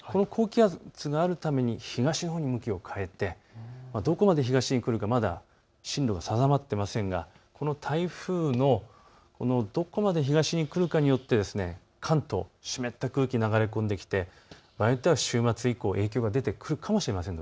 この高気圧があるために東のほうに向きを変えてどこまで東に来るかまだ進路が定まっていませんがこの台風のどこまで東に来るかによって関東、湿った空気が流れ込んできて場合によっては週末以降、影響が出てくるかもしれません。